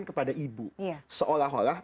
kepada ibu seolah olah